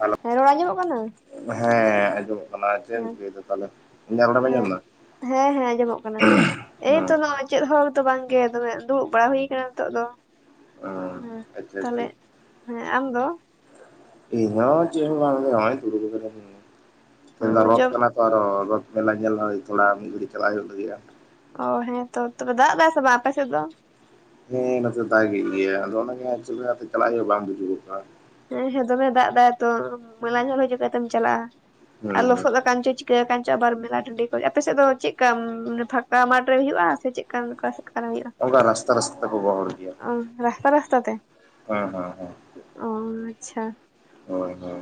Hello ᱦᱮᱸ ᱨᱚᱲᱟ ᱟᱸᱡᱚᱢᱚᱜ ᱠᱟᱱᱟ? ᱦᱮᱸ ᱟᱸᱡᱚᱢᱚᱜ ᱟᱨ ᱪᱮᱫ ᱮᱢ ᱦᱮᱸ ᱪᱤᱠᱟ. ᱮᱫᱟ ᱛᱟᱦᱚᱞᱮ, ᱤᱧᱟᱜ ᱨᱚᱲ ᱮᱢ ᱟᱸᱡᱚᱢ ᱦᱮᱸ ᱮᱫᱟ? ᱦᱮᱸ ᱦᱮᱸ ᱟᱸᱡᱚᱢᱚᱜ ᱠᱟᱱᱟ ᱮᱭᱛᱚ [inaudible] ᱱᱚᱜᱼᱚᱭ ᱪᱮᱫ ᱦᱚᱸᱛᱚ ᱵᱟᱝ ᱜᱮ ᱫᱚᱢᱮ ᱫᱩᱲᱩᱵ ᱵᱟᱲᱟ ᱦᱩᱭ ᱠᱟᱱᱟ ᱱᱤᱛᱚᱜ ᱫᱚ, ᱦᱩᱸ ᱟᱪᱪᱷᱟ ᱟᱪᱪᱷᱟ ᱛᱟᱦᱚᱞᱮ ᱦᱮᱸ ᱟᱢ ᱫᱚ? ᱤᱧ ᱦᱚᱸ ᱪᱮᱫ ᱦᱚᱸ ᱵᱟᱝ ᱜᱮ, ᱱᱚᱜ-ᱚᱭ ᱫᱩᱲᱩᱵ ᱟᱠᱟᱱᱤᱧ᱾ᱛᱮᱦᱮᱧ ᱫᱚ ᱨᱚᱛᱷ ᱡᱚᱢ ᱠᱟᱱᱟ [inaudible] ᱨᱚᱛᱷ ᱢᱮᱞᱟ ᱧᱮᱞ ᱦᱚᱸ ᱛᱷᱚᱲᱟ ᱢᱤᱫ ᱜᱷᱩᱲᱤ ᱪᱟᱞᱟᱜ ᱦᱩᱭᱩᱜ ᱜᱮᱭᱟ᱾ ᱚ ᱦᱮᱸ ᱛᱚ ᱛᱚᱵᱮ ᱫᱟᱜ ᱮᱫᱟᱭ ᱥᱮ ᱵᱟᱝ ᱟᱯᱮ ᱥᱮᱫ ᱫᱚ? ᱦᱮᱸ ᱱᱚᱛᱮ ᱫᱟᱜᱮ ᱜᱮᱭᱟ ᱟᱫᱚ ᱚᱱᱟ ᱜᱮ ᱦᱟᱸ ᱪᱮᱫ ᱞᱮᱠᱟ ᱛᱮ ᱪᱟᱞᱟᱜ ᱦᱩᱭᱩᱜᱼᱟ ᱵᱟᱝ ᱵᱩᱡᱩᱜᱚᱜ ᱠᱟᱱᱟ᱾ ᱦᱮᱸ ᱦᱮᱸ ᱫᱚᱢᱮ ᱫᱟᱜ ᱮᱫᱟᱭ ᱛᱚ, ᱢᱮᱞᱟ ᱧᱮᱞ ᱦᱚᱸ ᱪᱤᱠᱟ. ᱛᱮᱢ ᱪᱟᱞᱟᱜᱼᱟ ᱦᱩᱸ ᱟᱨ ᱦᱩᱸ ᱞᱚᱥᱚᱫ ᱟᱠᱟᱱ ᱪᱚ ᱪᱤᱠᱟ. ᱠᱟᱱᱪᱚ ᱟᱵᱟᱨ ᱢᱮᱞᱟ ᱴᱟᱺᱰᱤ ᱠᱚ, ᱟᱯᱮ ᱥᱮᱫ ᱫᱚ ᱪᱮᱫ ᱞᱮᱠᱟ ᱯᱷᱟᱸᱠᱟ ᱢᱟᱴ ᱨᱮ ᱦᱩᱭᱩᱜ-ᱟ ᱥᱮ ᱪᱮᱫᱠᱟ [inaudible] ᱦᱩᱭᱩᱜᱼᱟ, ᱚᱱᱠᱟ ᱨᱟᱥᱛᱟ ᱨᱟᱥᱛᱟ ᱛᱮᱠᱚ ᱜᱚᱦᱚᱲ ᱚ ᱨᱟᱥᱛᱟ ᱨᱟᱥᱛᱟ ᱛᱮ᱾ ᱦᱚᱸ ᱦᱚᱸ ᱦᱚᱸ᱾ ᱚ ᱟᱪᱪᱷᱟ᱾ ᱦᱳᱭ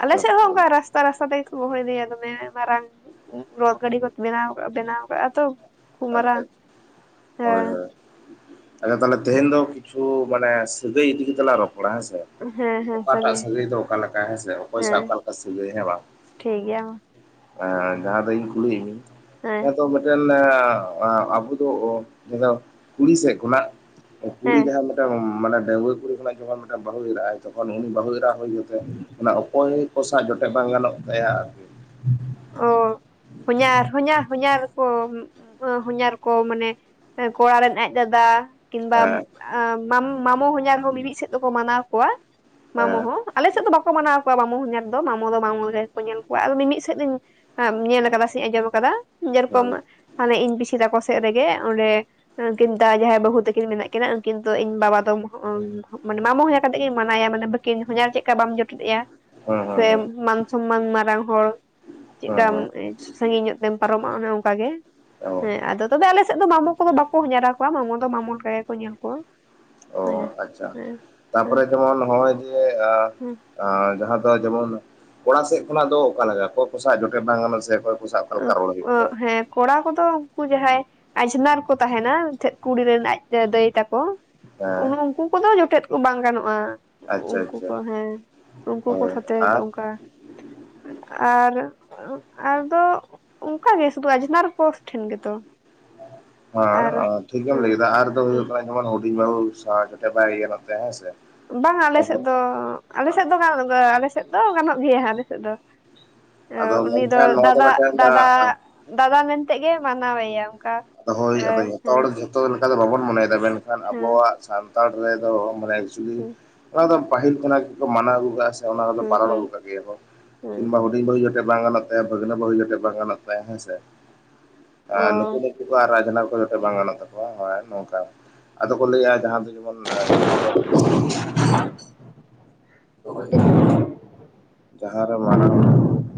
ᱟᱞᱮ ᱥᱮᱫ ᱨᱟᱥᱛᱟ ᱦᱚᱸ ᱛᱮ ᱚᱱᱠᱟ ᱨᱟᱥᱛᱟ ᱨᱟᱥᱛᱟ ᱛᱮᱜᱮ ᱠᱚ ᱜᱚᱦᱚᱲ ᱤᱫᱤᱭᱟ ᱫᱚᱢᱮ ᱢᱟᱨᱟᱝ᱾ ᱨᱚᱛᱷ ᱜᱟᱹᱰᱤ ᱠᱚ ᱵᱮᱱᱟᱣ ᱵᱮᱱᱟᱣ ᱠᱟᱜᱼᱟ ᱛᱚ ᱠᱷᱩᱵ ᱟᱪᱪᱷᱟ ᱟᱪᱪᱷᱟ ᱢᱟᱨᱟᱝ ᱦᱳᱭ ᱦᱮᱸ᱾ ᱦᱳᱭ ᱟᱪᱪᱷᱟ ᱛᱟᱞᱦᱮ ᱛᱮᱦᱮᱧ ᱫᱚ ᱠᱤᱪᱷᱩ ᱢᱟᱱᱮ ᱥᱟᱹᱜᱟᱹᱭ ᱤᱫᱤ ᱠᱟᱛᱮᱜ ᱞᱟᱝ ᱨᱚᱯᱚᱲᱟ ᱦᱮᱸᱥᱮ᱾ ᱦᱮᱸ ᱦᱮᱸ ᱚᱠᱟᱴᱟᱜ ᱥᱟᱹᱜᱟᱹᱭ ᱫᱚ ᱚᱠᱟ ᱞᱮᱠᱟ ᱦᱮᱸᱥᱮ ᱚᱠᱚᱭ ᱦᱮᱸ ᱚᱠᱟ ᱞᱮᱠᱟ ᱥᱟᱹᱜᱟᱹᱭ ᱦᱮᱸ ᱵᱟᱝ᱾ ᱴᱷᱤᱠ ᱜᱮᱭᱟ ᱢᱟ ᱮᱸ ᱡᱟᱦᱟᱸ ᱫᱚ ᱤᱧ ᱠᱩᱞᱤᱭᱤᱡ ᱢᱤᱭᱤᱧ ᱦᱮᱸ ᱛᱚ ᱢᱮᱫᱴᱮᱱ ᱮᱸ ᱮᱸ ᱟᱵᱚ ᱫᱚ [unintelligible] ᱠᱩᱲᱤ ᱥᱮᱫ ᱠᱷᱚᱱᱟᱜ ᱦᱮᱸ ᱠᱩᱲᱤ ᱡᱟᱦᱟᱸ ᱞᱮᱠ [unintelligible] ᱢᱟᱱᱮ ᱰᱟᱹᱜᱣᱟᱹ ᱠᱩᱲᱤ ᱠᱷᱚᱱᱟᱜ ᱡᱚᱠᱷᱚᱱ ᱢᱮᱫᱴᱟᱝ ᱵᱟᱹᱦᱩ ᱮᱨᱟᱜᱟᱭ, ᱛᱚᱠᱷᱚᱱ ᱩᱱᱤ ᱵᱟᱹᱦᱩ ᱮᱨᱟ ᱦᱳᱭ ᱠᱟᱛᱮᱫ ᱚᱱᱟ ᱚᱠᱚᱭ ᱠᱚᱥᱟᱜ ᱡᱚᱴᱮᱫ ᱵᱟᱝ ᱜᱟᱱᱚᱜ ᱛᱟᱭᱟ ᱟᱨᱠᱤ᱾ ᱚ ᱦᱚᱧᱟᱨ ᱦᱚᱧᱟᱨ ᱦᱚᱧᱟᱨ ᱠᱚ ᱦᱚᱧᱟᱨ ᱠᱚ ᱢᱟᱱᱮ ᱠᱚᱲᱟ ᱨᱮᱱ ᱟᱡ ᱫᱟᱫᱟ᱾ ᱠᱤᱱᱵᱟᱢ ᱦᱮᱸ ᱢᱟᱢ ᱢᱟᱢᱚ ᱦᱚᱧᱟᱨ ᱦᱚᱸ ᱢᱤ-ᱢᱤᱫ ᱥᱮᱫ ᱫᱚᱠᱚ ᱢᱟᱱᱟᱣ ᱠᱚᱣᱟ ᱢᱟᱢᱚ ᱦᱮᱸ ᱦᱚᱸ᱾ ᱟᱞᱮ ᱥᱮᱫ ᱫᱚ ᱵᱟᱠᱚ ᱢᱟᱱᱟᱣ ᱠᱚᱣᱟ ᱢᱟᱢᱚ ᱦᱚᱧᱟᱨ ᱫᱚ ᱢᱟᱢᱚ ᱫᱚ ᱢᱟᱢᱚ ᱜᱮ ᱠᱚ ᱧᱮᱞ ᱠᱚᱣᱟ, ᱟᱫᱚ ᱢᱤ-ᱢᱤᱫ ᱥᱮᱫ ᱫᱚᱧ ᱧᱮᱞ ᱠᱟᱫᱟ ᱥᱮ ᱟᱸᱡᱚᱢ ᱠᱟᱫᱟ ᱡᱮ ᱦᱮᱸ ᱨᱚᱠᱚᱢ ᱦᱟᱱᱮ ᱤᱧ ᱯᱤᱥᱤ ᱛᱟᱠᱚ ᱥᱮᱫ ᱨᱮᱜᱮ ᱚᱸᱰᱮ [unintelligible] ᱡᱟᱦᱟᱸᱭ ᱵᱟᱹᱦᱩ ᱛᱟᱝᱠᱤᱱ ᱢᱮᱱᱟᱜ ᱠᱤᱱᱟ ᱩᱝᱠᱤᱱ ᱫᱚ ᱤᱧ ᱵᱟᱵᱟ ᱫᱚ ᱢᱟᱱᱮ ᱢᱟᱢᱚ ᱦᱚᱧᱟᱨ ᱠᱟᱛᱮᱜ ᱜᱮ ᱢᱟᱱᱟᱣᱮᱭᱟ, ᱢᱟᱱᱮ ᱠᱤᱧ ᱦᱚᱧᱟᱨ ᱪᱮᱫᱠᱟ ᱵᱟᱢ ᱡᱚᱴᱮᱫ ᱮᱭᱟ ᱦᱮᱸ ᱦᱮᱸ ᱥᱮ ᱢᱟᱱ ᱥᱚᱢᱢᱟᱱ ᱢᱟᱨᱟᱝ ᱦᱚᱲ ᱦᱮᱸ ᱦᱮᱸ ᱪᱮᱫᱠᱟᱢ ᱦᱮᱸ ᱥᱟᱜᱤᱧ ᱧᱚᱜ ᱛᱮᱢ ᱯᱟᱨᱚᱢᱚᱜ-ᱟ ᱚᱱᱮ ᱚᱝᱠᱟ ᱜᱮ, ᱚ ᱦᱮᱸ ᱟᱫᱚ ᱛᱚᱵᱮ ᱟᱞᱮ ᱥᱮᱫ ᱫᱚ ᱢᱟᱢᱚ ᱠᱚᱫᱚ ᱵᱟᱠᱚ ᱦᱚᱧᱟᱨ ᱟᱠᱚᱣᱟ ᱢᱟᱢᱚ ᱫᱚ ᱢᱟᱢᱚ ᱞᱮᱠᱟ ᱜᱮᱠᱚ ᱧᱮᱞ ᱠᱚᱣᱟ᱾ ᱚ ᱦᱮᱸ ᱟᱪᱪᱷᱟ ᱦᱮᱸ ᱦᱮᱸ ᱛᱟᱯᱚᱨᱮ ᱡᱮᱢᱚᱱ ᱦᱚᱜᱚᱭ ᱡᱮ ᱦᱮᱸ ᱡᱟᱦᱟᱸ ᱫᱚ ᱡᱮᱢᱚᱱ ᱠᱚᱲᱟ ᱥᱮᱫ ᱠᱷᱚᱱᱟᱜ ᱫᱚ ᱚᱠᱟ ᱞᱮᱠᱟ ᱚᱠᱚᱭ ᱠᱚᱥᱟᱜ ᱡᱚᱴᱮᱫ ᱵᱟᱝ ᱜᱟᱱᱚᱜ ᱥᱮ, ᱚᱠᱚᱭ ᱠᱚ ᱥᱟᱶ ᱚᱠᱟ ᱞᱮᱠᱟ ᱨᱚᱲ ᱦᱩᱭᱩᱜ ᱛᱟᱭᱟ [unintelligible] ᱦᱮᱸ ᱠᱚᱲᱟ ᱠᱚᱫᱚ ᱩᱝᱠᱩ ᱡᱟᱦᱟᱸᱭ ᱟᱡᱽᱷᱱᱟᱨ ᱠᱚ ᱛᱟᱦᱮᱱᱟ ᱛᱮᱡ ᱠᱩᱲᱤ ᱨᱮᱱ ᱟᱡ ᱫᱟᱹᱭ ᱛᱟᱠᱚ ᱦᱮᱸ ᱩᱝᱠᱩ ᱫᱚ ᱡᱚᱴᱮᱫ ᱠᱚ ᱵᱟᱝ ᱜᱟᱱᱚᱜ-ᱟ᱾ ᱟᱪᱪᱷᱟ ᱩᱝᱠᱩ ᱟᱪᱪᱷᱟ ᱠᱚ ᱦᱮᱸ ᱩᱝᱠᱩ ᱠᱚ ᱦᱳᱭ ᱥᱟᱛᱮ ᱟᱨ ᱫᱚ ᱚᱝᱠᱟ ᱟᱨ ᱟᱨᱫᱚ ᱚᱝᱠᱟ ᱜᱮ ᱥᱩᱫᱷᱩ ᱟᱡᱽᱷᱱᱟᱨ ᱠᱚ ᱴᱷᱮᱱ ᱜᱮᱛᱚ᱾ ᱟᱨ [unintelligible] ᱴᱷᱤᱠ ᱜᱮᱢ ᱦᱮᱸ ᱞᱟᱹᱭ ᱠᱮᱫᱟ ᱟᱨᱫᱚ ᱦᱮᱸ ᱦᱳᱭᱳᱜ [unintelligible] ᱦᱩᱰᱤᱧ ᱵᱟᱦᱩ ᱥᱟᱦᱟ ᱠᱟᱛᱮᱫ ᱵᱟᱭ ᱜᱟᱱᱚᱜ ᱛᱟᱭᱟ ᱦᱮᱸ ᱥᱮ᱾ ᱵᱟᱝ ᱟᱞᱮ ᱥᱮᱫ ᱟᱫᱚ ᱫᱚ ᱟᱞᱮ ᱥᱮᱫ ᱫᱚ [unintelligible] ᱟᱞ ᱥᱮᱫ ᱫᱚ ᱜᱟᱱᱚᱜ ᱜᱮᱭᱟ ᱟᱞᱮ ᱥᱮᱫ ᱫᱚ᱾ ᱟᱫᱚ ᱩᱱᱤ ᱫᱚ ᱢᱮᱱᱠᱷᱟᱱ ᱱᱚᱣᱟ ᱫᱟᱫᱟ ᱢᱤᱫᱴᱮᱱ ᱫᱟᱫᱟ ᱟᱸ ᱫᱟᱫᱟ ᱢᱮᱱᱛᱮᱜ ᱜᱮ ᱢᱟᱱᱟᱣᱮᱭᱟ, ᱚᱝᱠᱟ ᱟᱫᱚ ᱦᱳᱭ ᱟᱫᱚ ᱡᱷᱚᱛᱚ ᱦᱚᱲ ᱡᱷᱚᱛᱚ ᱞᱮᱠᱟ ᱫᱚ ᱵᱟᱵᱚᱱ ᱢᱚᱱᱮᱭᱫᱟ ᱢᱮᱱᱠᱷᱟᱱ ᱦᱮᱸ ᱟᱵᱚᱣᱟᱜ ᱥᱟᱱᱛᱟᱲ ᱨᱮᱫᱚ ᱢᱟᱱᱮ ᱡᱫᱤ ᱚᱱᱟᱫᱚ ᱯᱟᱹᱦᱤᱞ ᱠᱟᱱᱟᱜ ᱢᱟᱱᱟᱣ ᱟᱜᱩ ᱠᱟᱜᱟ ᱥᱮ ᱚᱱᱟ ᱠᱚᱫᱚ ᱦᱮᱸ ᱦᱮᱸ [unintelligible] ᱜᱮᱭᱟᱠᱚ, ᱦᱮᱸ ᱠᱤᱱᱵᱟ [unintelligible] ᱵᱟᱹᱦᱩ ᱡᱚᱴᱮᱫ ᱵᱟᱝ ᱜᱟᱱᱚᱜ ᱛᱟᱭᱟ, ᱵᱷᱟᱹᱜᱽᱱᱟᱹ ᱵᱟᱹᱦᱩ ᱡᱷᱮᱫ ᱵᱟᱝ ᱜᱟᱱᱚᱜ ᱛᱟᱭᱟ ᱦᱮᱸ ᱥᱮ, ᱟᱨ ᱱᱩᱠᱩ ᱚ ᱱᱩᱠ ᱟᱨ ᱟᱡᱷᱱᱟᱨ ᱠᱚ ᱡᱚᱴᱮᱫ ᱵᱟᱝ ᱜᱟᱱᱚᱜ ᱛᱟᱠᱚᱣᱟ, ᱟᱨ ᱱᱚᱝᱠᱟ ᱟᱫᱚ ᱠᱚ ᱞᱟᱹᱭᱟ ᱡᱟᱦᱟᱸ ᱫᱚ ᱡᱚᱢᱚᱱ ᱡᱟᱦᱟᱸ ᱫᱚ [inaudible] ᱡᱟᱦᱟᱸ ᱨᱮ ᱢᱟᱨᱟᱝ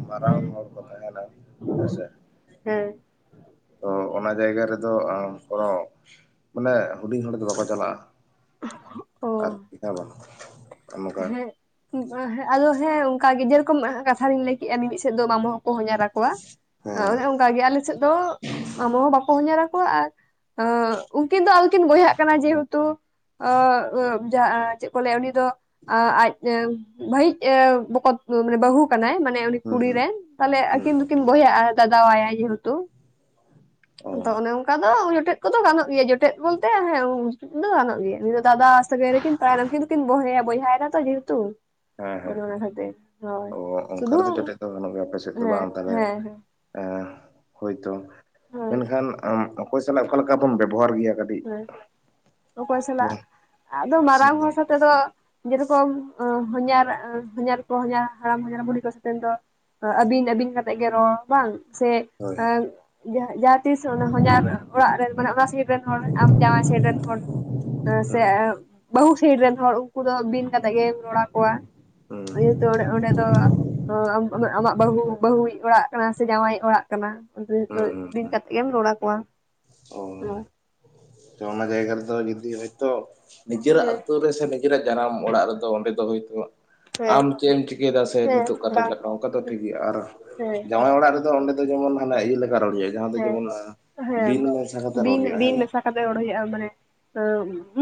ᱢᱟᱨᱟᱝ ᱦᱮᱸ ᱦᱚᱲ ᱠᱚ ᱛᱟᱦᱮᱱᱟ ᱦᱮᱸᱥᱮ ᱦᱮᱸ ᱛᱚ ᱚᱱᱟ ᱡᱟᱭᱜᱟ ᱨᱮᱫᱚ ᱮᱸ ᱠᱚᱱᱚ ᱢᱟᱱᱮ ᱦᱩᱰᱤᱧ ᱦᱚᱲ ᱫᱚ ᱵᱟᱠᱚ ᱪᱟᱞᱟᱜ-ᱟ᱾ ᱚ ᱟᱨᱠᱤ ᱦᱮᱸ ᱵᱟᱝ᱾ ᱱᱚᱝᱠᱟ ᱦᱮᱸ ᱟᱫᱚ ᱦᱮᱸ ᱚᱝᱠᱟ ᱜᱮ ᱡᱮ ᱨᱚᱠᱚᱢ ᱠᱟᱛᱷᱟ ᱨᱤᱧ ᱞᱟᱹᱭ ᱠᱮᱜᱟ ᱢᱤ-ᱢᱤᱫ ᱥᱮᱫ ᱫᱚ ᱢᱟᱢᱚ ᱦᱚᱸᱠᱚ ᱦᱚᱧᱟᱨ ᱟᱠ ᱠᱚᱣᱟ ᱦᱮᱸ ᱦᱮᱸ ᱚᱱᱮ ᱚᱝᱠᱟ ᱜᱮ ᱟᱞᱮ ᱥᱮᱫ ᱫᱚ ᱢᱟᱢᱚ ᱦᱚᱸ ᱵᱟᱠᱚ ᱦᱚᱧᱟᱨ ᱟᱠᱚᱣᱟ ᱟᱨ ᱩᱝᱠᱤᱱ ᱫᱚ ᱟᱫᱚ ᱠᱤᱱ ᱵᱚᱭᱦᱟᱜ ᱠᱟᱱᱟ ᱡᱮ ᱦᱩᱛᱩ [unintelligible] ᱪᱮᱫ ᱠᱚ ᱞᱟᱹᱭᱟ ᱩᱱᱤ ᱫᱚ ᱟᱡ ᱵᱷᱟᱹᱭᱤᱡ ᱵᱚᱠᱚᱛ ᱵᱟᱹᱦᱩ ᱠᱟᱱᱟᱭ ᱢᱟᱱᱮ ᱩᱱᱤ ᱦᱩᱸ ᱠᱩᱲᱤ ᱦᱩᱸ ᱨᱮᱱ ᱛᱟᱞᱦᱮ ᱦᱩᱸ ᱟᱠᱤᱱ ᱫᱩ ᱠᱤᱱ ᱵᱚᱭᱦᱟᱜᱼᱟ ᱫᱟᱫᱟᱣᱟᱭᱟᱭ ᱡᱮᱦᱮᱛᱩ ᱚ ᱟᱫᱚ ᱚᱱᱮ ᱚᱱᱠᱟ ᱫᱚ ᱡᱚᱴᱮᱫ ᱠᱚᱫᱚ ᱜᱟᱱᱚᱜ ᱜᱮᱭᱟ ᱡᱚᱴᱮᱫ ᱵᱚᱞᱛᱮ ᱦᱮᱸ ᱫᱚ ᱜᱟᱱᱚᱜ ᱜᱮᱭᱟ ᱱᱤᱭᱟᱹ ᱫᱟᱫᱟ ᱥᱟᱹᱜᱟᱹᱭ ᱨᱮᱠᱤᱱ ᱛᱟᱦᱮᱱᱟ᱾ ᱩᱱᱠᱤᱱ ᱫᱚᱠᱤᱱ ᱵᱚᱭᱦᱟ ᱵᱚᱭᱦᱟ ᱮᱱᱟ ᱛᱚ ᱡᱮᱦᱛᱩ᱾ ᱦᱮᱸ ᱦᱮᱸ ᱚ ᱚᱱᱠᱟ ᱥᱩᱫᱷᱩ ᱨᱮᱫᱚ ᱡᱚᱴᱮᱫ ᱫᱚ ᱜᱟᱱᱚᱜ ᱜᱮᱭᱟ ᱟᱯᱮ ᱥᱮᱫ ᱫᱚ ᱦᱮᱸ ᱵᱟᱝ ᱛᱟᱦᱚᱞᱮ ᱦᱮᱸ ᱦᱮᱸ ᱮᱸ ᱦᱳᱭᱛᱚ ᱦᱮᱸ ᱢᱮᱱᱠᱷᱟᱱ ᱟᱢ ᱚᱠᱚᱭ ᱥᱟᱞᱟᱜ ᱞᱮᱠᱟ ᱵᱚᱱ ᱵᱮᱵᱚᱦᱟᱨ ᱜᱮᱭᱟ ᱠᱟᱹᱴᱤᱡ ᱦᱮᱸ ᱚᱠᱚᱭ ᱥᱟᱞᱟᱜ ᱦᱮᱸ ᱟᱫᱚ ᱢᱟᱨᱟᱝ ᱦᱚᱲ ᱥᱟᱛᱮ ᱫᱚ ᱡᱮᱨᱚᱠᱚᱢ ᱦᱚᱧᱦᱟᱨ ᱦᱚᱧᱦᱟᱨ ᱠᱚ ᱦᱚᱧᱦᱟᱨ ᱦᱟᱲᱟᱢ ᱦᱚᱧᱦᱟᱨ ᱵᱩᱲᱦᱤ ᱠᱚ ᱥᱟᱛᱮᱱ ᱫᱚ ᱟᱹᱵᱤᱱ ᱟᱹᱵᱤᱱ ᱠᱟᱛᱮᱫ ᱜᱮ ᱨᱚᱲ ᱵᱟᱝ ᱥᱮ ᱦᱳᱭ ᱮ ᱡᱟᱦᱟᱸᱛᱤᱥ ᱚᱱᱟ ᱦᱚᱧᱦᱟᱨ ᱚᱲᱟᱜ ᱨᱮᱱ ᱢᱟᱱᱮ ᱚᱱᱟ ᱥᱟᱭᱤᱰ ᱨᱮᱱ ᱦᱚᱲ ᱟᱢ ᱡᱟᱶᱟᱭ ᱥᱟᱭᱤᱰ ᱨᱮᱱ ᱦᱚᱲ ᱥᱮ ᱦᱩᱸ ᱵᱟᱹᱦᱩ ᱥᱟᱭᱤᱰ ᱨᱮᱱ ᱦᱚᱲ ᱩᱱᱠᱩ ᱫᱚ ᱵᱤᱱ ᱠᱟᱛᱮᱜ ᱜᱮᱢ ᱨᱚᱲ ᱟᱠᱚᱣᱟ᱾ ᱦᱩᱸ ᱤᱭᱟᱹ ᱛᱚ ᱚᱸᱰᱮ ᱫᱚ ᱟᱢᱟᱜ ᱵᱟᱹᱦᱩ ᱵᱟᱹᱦᱩᱭᱤᱡ ᱚᱲᱟᱜ ᱠᱟᱱᱟ ᱥᱮ ᱡᱟᱶᱟᱭᱤᱡ ᱚᱲᱟᱜ ᱠᱟᱱᱟ ᱚᱸᱰᱮ ᱦᱚᱸᱛᱚ ᱦᱩᱸ ᱦᱩᱸ ᱵᱤᱱ ᱦᱩᱸ ᱠᱟᱛᱮᱜ ᱮᱢ ᱨᱚᱲ ᱟᱠᱚᱣᱟ ᱚ ᱦᱮᱸ ᱚᱱᱟ ᱡᱟᱭᱜᱟ ᱨᱮᱫᱚ ᱡᱩᱫᱤ ᱦᱳᱭᱛᱳ ᱦᱮᱸ ᱱᱤᱡᱮᱨᱟᱜ ᱟᱛᱩ ᱨᱮ ᱥᱮ ᱱᱤᱡᱮᱨᱟᱜ ᱡᱟᱱᱟᱢ ᱚᱲᱟᱜ ᱨᱮᱫᱚ ᱚᱸᱰᱮ ᱫᱚ ᱦᱳᱭᱛᱳ ᱦᱮᱸ ᱟᱢ ᱪᱮᱫ ᱮᱢ ᱪᱤᱠᱟᱹᱭ ᱫᱟ ᱥᱮ ᱦᱮᱸ ᱱᱤᱛᱳᱜ ᱚᱠᱟᱛᱮᱢ ᱵᱟᱝ ᱪᱟᱞᱟᱜ ᱚᱱᱠᱟ ᱫᱚ ᱴᱷᱤᱠᱜᱮᱭᱟ ᱟᱨ ᱦᱮᱸ ᱡᱟᱶᱟᱭ ᱚᱲᱟᱜ ᱨᱮᱫᱚ ᱚᱸᱰᱮ ᱡᱮᱢᱚᱱ ᱦᱟᱱᱮ ᱤᱭᱟᱹ ᱞᱮᱠᱟ ᱨᱚᱲ ᱦᱩᱭᱩᱜ-ᱟ ᱡᱟᱦᱟᱸ ᱫᱚ ᱦᱮᱸ ᱡᱮᱢᱚᱱ ᱦᱮᱸ ᱵᱤᱱ ᱢᱮᱥᱟ ᱠᱟᱛᱮ ᱨᱚᱲ ᱵᱤᱱ ᱦᱩᱭᱩᱜᱼᱟ ᱦᱮᱸ ᱵᱤᱱ ᱵᱟᱝ ᱢᱮᱥᱟ ᱠᱟᱛᱮᱜ ᱨᱚᱲ ᱦᱩᱭᱩᱜᱼᱟ ᱢᱟᱱᱮ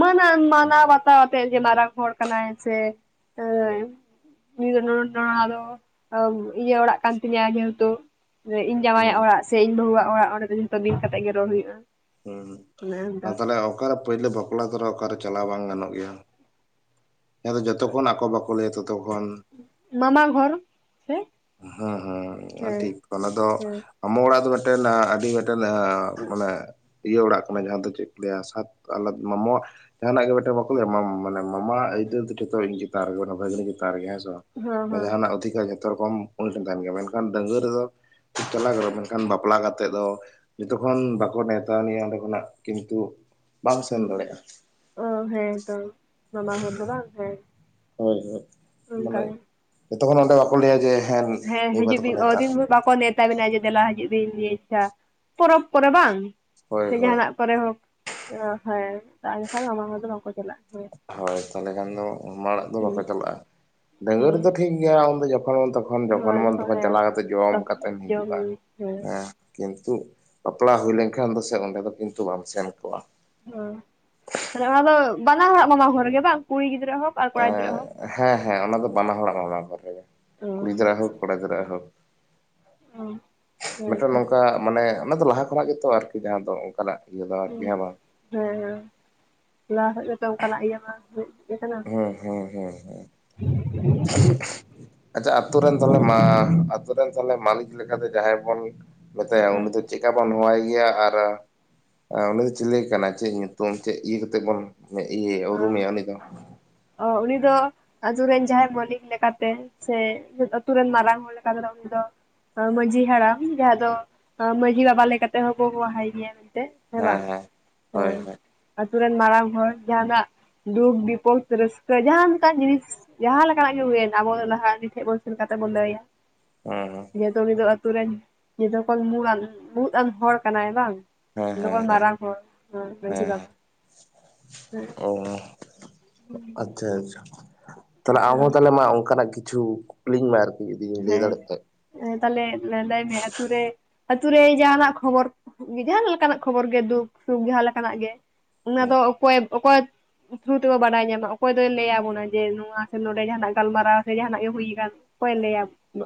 ᱢᱟᱹᱱᱟᱱ ᱢᱟᱱᱟᱣ ᱵᱟᱛᱟᱣ ᱟᱛᱮ ᱜᱮ ᱢᱟᱨᱟᱝ ᱦᱚᱲ ᱠᱟᱱᱟᱭ ᱥᱮ ᱦᱮᱸ [unintelligible] ᱤᱭᱟᱹ ᱚᱲᱟᱜ ᱠᱟᱱ ᱛᱤᱧᱟ ᱡᱮᱦᱮᱛᱩ ᱤᱧ ᱦᱩᱸ ᱡᱟᱶᱟᱭᱟᱜ ᱚᱲᱟᱜ ᱥᱮ ᱤᱧ ᱵᱟᱹᱦᱩᱣᱟᱜ ᱚᱲᱟᱜ ᱚᱸᱰᱮ ᱫᱚ ᱡᱷᱚᱛᱚ ᱵᱤᱱ ᱠᱟᱛᱮᱜ ᱜᱮ ᱨᱚᱲ ᱦᱩᱭᱩᱜᱼᱟ᱾ ᱦᱮᱸ ᱚᱱᱠᱟ ᱟᱫᱚ ᱱᱟᱦᱟᱸᱜ ᱚᱠᱟᱨᱮ ᱯᱳᱭᱞᱳ ᱵᱟᱯᱞᱟ ᱛᱚᱨᱟ ᱚᱠᱟᱨᱮ ᱪᱟᱞᱟᱣ ᱵᱟᱝ ᱜᱟᱱᱚᱜ ᱜᱮᱭᱟ᱾ ᱡᱟᱦᱟᱸ ᱫᱚ ᱡᱚᱛᱚᱠᱷᱚᱱ ᱟᱠᱚ ᱵᱟᱠᱚ ᱞᱟᱹᱭᱟ ᱛᱚᱛᱚᱠᱷᱚᱱ ᱢᱟᱢᱟ ᱜᱷᱚᱨ ᱥᱮ ᱦᱮᱸ ᱦᱮᱸ ᱴᱷᱤᱠ ᱚᱱᱟ ᱫᱚ ᱦᱮᱸ ᱟᱢᱚ ᱚᱲᱟᱜ ᱫᱚ ᱢᱤᱫᱴᱮᱱ ᱟᱹᱰᱤ ᱢᱤᱫᱴᱮᱱ ᱢᱟᱱᱮ ᱤᱭᱟᱹ ᱚᱲᱟᱜ ᱠᱟᱱᱟ ᱡᱟᱦᱟᱸ ᱫᱚ ᱪᱮᱫ ᱠᱚ ᱞᱟᱹᱭᱟ ᱥᱟᱛ ᱟᱞᱟᱫ ᱢᱟᱢᱚᱣᱟᱜ ᱾ ᱡᱟᱦᱟᱱᱟᱜ ᱜᱮ ᱢᱤᱫᱴᱮᱱ ᱵᱟᱠᱚ ᱞᱟᱹᱭᱟ ᱢᱟᱱᱮ ᱢᱟᱢᱟ ᱡᱚᱛᱚ ᱤᱧ ᱜᱮ ᱨᱮ ᱵᱷᱟᱹᱜᱱᱤ ᱪᱮᱛᱟᱱ ᱨᱮᱜᱮ ᱦᱮᱸᱥᱮ ᱦᱮᱸ ᱵᱟᱝ ᱦᱮᱸ ᱡᱟᱦᱟᱱᱟᱜ ᱚᱫᱷᱤᱠᱟᱨ ᱡᱚᱛᱚ ᱨᱚᱠᱚᱢ ᱩᱱᱤ ᱴᱷᱮᱱ ᱛᱟᱦᱮᱱ ᱜᱮᱭᱟ᱾ᱢᱮᱱᱠᱷᱟᱱ ᱰᱟᱹᱝᱜᱣᱟᱹ ᱨᱮᱫᱚ ᱪᱟᱞᱟᱣ ᱜᱚᱜᱼᱟ ᱢᱮᱱᱠᱷᱟᱱ ᱵᱟᱯᱞᱟ ᱠᱟᱛᱮᱫ ᱫᱚ ᱡᱚᱛᱚᱠᱷᱚᱱ ᱵᱟᱠᱚ ᱱᱮᱣᱛᱟ ᱟᱱᱤᱪᱼᱟ ᱚᱸᱰᱮ ᱠᱷᱚᱱᱟᱜ ᱠᱤᱱᱛᱩ ᱵᱟᱢ ᱥᱮᱱ ᱫᱟᱲᱮᱭᱟᱜᱼᱟ᱾ ᱚ ᱦᱮᱸ ᱛᱚ ᱢᱟᱢᱟ ᱦᱚᱲ ᱫᱚ ᱵᱟᱝ ᱦᱮᱸ ᱦᱳᱭ ᱦᱳᱭ ᱚᱱᱠᱟ ᱢᱟᱱᱮ ᱜᱮ ᱡᱚᱛᱚᱠᱷᱚᱱ ᱚᱸᱰᱮ ᱵᱟᱠᱚ ᱞᱟᱹᱭᱟ ᱡᱮ ᱦᱮᱸ ᱱᱤᱭᱟᱹ ᱵᱟᱨ ᱦᱤᱡᱩᱜ ᱫᱚᱠᱚ ᱵᱤᱱ ᱱᱮᱣᱛᱟ ᱚᱫᱤᱱ ᱵᱷᱳᱨ ᱵᱟᱠᱚ ᱱᱮᱣᱛᱟ ᱵᱮᱱᱟ ᱡᱮ ᱫᱮᱞᱟ ᱦᱤᱡᱩᱜ ᱵᱤᱱ ᱱᱤᱭᱟᱹ ᱤᱪᱪᱷᱟ ᱯᱚᱨᱚᱵᱽ ᱠᱚᱨᱮ ᱵᱟᱝ ᱦᱳᱭ ᱥᱮ ᱦᱳᱭ ᱡᱟᱦᱟᱱᱟᱜ ᱠᱚᱨᱮ ᱦᱚᱸ ᱦᱮᱸ ᱟᱨ ᱵᱟᱠᱷᱟᱡ ᱫᱚ ᱢᱟᱢᱟ ᱦᱚᱲ ᱫᱚ ᱵᱟᱠᱚ ᱪᱟᱞᱟᱜᱼᱟ ᱦᱮᱸ ᱦᱳᱭ ᱛᱟᱦᱚᱞᱮ ᱠᱷᱟᱱ ᱫᱚ ᱢᱟᱢᱟ ᱚᱲᱟᱜ ᱫᱚ ᱵᱟᱠᱚ ᱦᱩᱸ ᱪᱟᱞᱟᱜᱼᱟ᱾ ᱰᱟᱹᱝᱜᱩᱣᱟᱹ ᱨᱮ ᱦᱳᱭ ᱫᱚ ᱴᱷᱤᱠ ᱜᱮᱭᱟ ᱩᱱ ᱫᱚ ᱡᱚᱠᱷᱚᱱ ᱢᱚᱱ ᱛᱚᱠᱷᱚᱱ ᱛᱚᱠᱷᱚᱱ ᱡᱚᱠᱷᱚᱱ ᱦᱳᱭ ᱢᱚᱱ ᱫᱚᱠᱚ ᱛᱚᱠᱷᱚᱱ ᱦᱮᱸ ᱪᱟᱞᱟᱣ ᱠᱟᱛᱮ ᱡᱚᱢ ᱠᱟᱛᱮᱢ ᱡᱚᱢ ᱦᱤᱡᱩᱜᱼᱟ᱾ ᱧᱩ ᱦᱮᱸ ᱠᱤᱱᱛᱩ ᱵᱟᱯᱞᱟ ᱦᱩᱭ ᱞᱮᱱᱠᱷᱟᱱ ᱫᱚ ᱥᱮ ᱚᱸᱰᱮ ᱫᱚ ᱠᱤᱱᱛᱩ ᱵᱟᱢ ᱥᱮᱱ ᱠᱚᱜᱼᱟ᱾ ᱦᱚ ᱛᱟᱦᱞᱮ ᱚᱱᱟ ᱫᱚ ᱵᱟᱱᱟ ᱦᱚᱲᱟᱜ ᱢᱟᱢᱟ ᱦᱚᱲ ᱨᱮ ᱜᱮ ᱵᱟᱝ ᱠᱩᱲᱤ ᱜᱤᱫᱽᱨᱟᱹ ᱦᱚᱠ ᱦᱮᱸ ᱦᱮᱸ ᱚᱱᱟ ᱫᱚ ᱵᱟᱱᱟ ᱦᱚᱲᱟᱜ ᱢᱟᱢᱟ ᱜᱷᱚᱨ ᱨᱮᱜᱮ᱾ ᱚ ᱠᱩᱲᱤ ᱜᱤᱫᱽᱨᱟᱹᱣᱟᱠ ᱦᱳᱠ ᱟᱪᱪᱷᱟ ᱠᱚᱲᱟ ᱜᱤᱫᱽᱨᱟᱹᱣᱟᱜ ᱦᱳᱠ ᱚ ᱢᱤᱫᱴᱮᱱ ᱦᱮᱸᱛᱚ ᱦᱮᱸ ᱱᱚᱝᱠᱟ ᱢᱟᱱᱮ ᱚᱱᱟ ᱫᱚ ᱞᱟᱦᱟ ᱠᱷᱚᱱᱟᱜ ᱜᱮᱛᱚ ᱟᱨᱠᱤ ᱡᱟᱦᱟᱸ ᱫᱚ ᱚᱱᱠᱟᱱᱟᱜ᱾ [unintelligible] ᱦᱮᱸ ᱦᱮᱸ᱾ ᱞᱟᱦᱟ ᱥᱮᱫ ᱫᱚ ᱚᱱᱠᱟᱱᱟᱜ ᱤᱭᱟᱹ ᱵᱟᱝ [unintelligible] ᱦᱩᱸ ᱦᱩᱸ ᱦᱩᱸ ᱦᱩᱸ ᱾ ᱟᱪᱪᱷᱟ ᱟᱵ ᱟᱛᱩ ᱨᱮᱱ ᱛᱟᱞᱦᱮ ᱢᱟ ᱟᱛᱩ ᱨᱮᱱ ᱛᱟᱦᱮᱞᱮ ᱢᱟᱞᱤᱠ ᱞᱮᱠᱟᱛᱮ ᱡᱟᱸᱦᱟᱭ ᱵᱚᱱ ᱢᱮᱛᱟᱭᱟ ᱩᱱᱤ ᱦᱮᱸ ᱫᱚ ᱪᱮᱜᱠᱟ ᱵᱚᱱ ᱦᱚᱦᱚᱟᱭ ᱜᱮᱭᱟ ᱟᱨ ᱟ ᱩᱱᱤ ᱫᱚ ᱪᱮᱞᱮ ᱠᱟᱱᱟ? ᱪᱮᱜ ᱧᱩᱛᱩᱢ? ᱪᱮᱜ ᱤᱭᱟᱹ ᱠᱟᱛᱮᱜ ᱵᱚᱱ ᱤᱭᱟᱹ ᱚ ᱩᱨᱩᱢᱮᱭᱟ ᱩᱱᱤ ᱫᱚ ᱚ ᱩᱱᱤ ᱫᱚ ᱟᱛᱩ ᱨᱮᱱ ᱡᱟᱦᱟᱸᱭ ᱢᱟᱞᱤᱠ ᱞᱮᱠᱟᱛᱮ, ᱥᱮ ᱟᱛᱩ ᱨᱮᱱ ᱢᱟᱨᱟᱝ ᱦᱚᱲ ᱞᱮᱠᱟ ᱛᱮᱫᱚ ᱩᱱᱤ ᱫᱚ ᱢᱟᱺᱡᱷᱤ ᱦᱟᱲᱟᱢ ᱡᱟᱦᱟᱸ ᱫᱚ ᱢᱟᱺᱡᱷᱤ ᱵᱟᱵᱟ ᱞᱮᱠᱟᱛᱮ ᱦᱚᱸᱠᱚ ᱦᱚᱦᱚ ᱟᱭ ᱜᱮᱭᱟ ᱢᱮᱱᱛᱮ᱾ ᱦᱮᱸ ᱵᱟᱝ, ᱦᱳᱭ ᱦᱮᱸ ᱦᱳᱭ ᱟᱛᱩ ᱨᱮᱱ ᱢᱟᱨᱟᱝ ᱦᱚᱲ ᱡᱟᱦᱟᱱᱟᱜ ᱫᱩᱠ ᱵᱤᱯᱳᱫ ᱨᱟᱹᱥᱠᱟᱹ ᱡᱟᱦᱟᱸᱱ ᱞᱮᱠᱟᱱ ᱡᱤᱱᱤᱥ ᱡᱟᱦᱟᱸ ᱞᱮᱠᱟᱱᱟᱜ ᱜᱮ ᱦᱩᱭᱮᱱ, ᱟᱵᱚ ᱞᱟᱦᱟ ᱩᱱᱤ ᱴᱷᱮᱱ ᱵᱚᱱ ᱥᱮᱱ ᱠᱟᱛᱮᱜ ᱵᱚᱱ ᱞᱟᱹᱭᱟ᱾ ᱦᱩᱸ ᱦᱩᱸ᱾ ᱡᱮᱦᱮᱛᱩ ᱩᱱᱤ ᱫᱚ ᱟᱛᱩ‌ ᱨᱮᱱ ᱡᱷᱚᱛᱚ ᱠᱷᱚᱱ ᱢᱩᱬ ᱟᱱ, ᱢᱩᱲᱩᱫ ᱟᱱ ᱦᱚᱲ ᱠᱟᱱᱟᱭ ᱵᱟᱝ᱾ ᱦᱮᱸ ᱡᱷᱚᱛᱚ ᱦᱮᱸ ᱠᱷᱚᱱ ᱢᱟᱨᱟᱝ ᱦᱚᱲ ᱢᱟᱺᱡᱷᱤ ᱵᱟᱵᱟ ᱦᱚᱸ᱾ ᱟᱪᱪᱷᱟ ᱟᱪᱪᱷᱟ ᱛᱟᱦᱞᱮ ᱟᱵᱚ ᱟᱪᱪᱷᱟ᱾ ᱛᱟᱞᱦᱮ ᱢᱟ ᱚᱱᱠᱟᱱᱟᱜ ᱠᱤᱪᱷᱩ ᱡᱤᱞᱤᱧ ᱢᱮ ᱟᱨᱠᱤ ᱡᱤᱫᱤᱧ ᱞᱟᱹᱭ ᱫᱟᱲᱮᱜ ᱠᱷᱟᱡ᱾ ᱛᱟᱦᱮᱞᱮ ᱱᱮᱰᱟᱭ ᱢᱮ ᱟᱹᱛᱩ ᱨᱮ᱾ ᱟᱛᱩ ᱨᱮ ᱡᱟᱦᱟᱱᱟᱜ ᱠᱷᱚᱵᱚᱨ, ᱡᱟᱦᱟ ᱞᱮᱠᱟᱱᱟᱜ ᱠᱷᱚᱵᱚᱨ ᱜᱮ ᱫᱩᱠ, ᱥᱩᱠ ᱡᱟᱦᱟᱸ ᱞᱮᱠᱟᱱᱟᱜ ᱜᱮ ᱚᱱᱟ ᱫᱚ ᱚᱠᱚᱭ ᱚᱠᱚᱭ ᱛᱷᱨᱩ ᱛᱮᱵᱚ ᱵᱟᱰᱟᱭ ᱧᱟᱢᱟ ᱚᱠᱚᱭ ᱫᱚᱭ ᱞᱟᱹᱭᱟ ᱟᱵᱚᱱᱟ ᱡᱮ, ᱱᱚᱣᱟ ᱥᱮ ᱱᱚᱰᱮ ᱡᱟᱦᱟᱱᱟᱜ ᱜᱟᱞᱢᱟᱨᱟᱣ ᱥᱮ ᱡᱟᱦᱟᱱᱟᱜ ᱜᱮ ᱦᱩᱭᱟᱠᱟᱱ ᱚᱠᱚᱭᱮ ᱞᱟᱹᱭᱟ?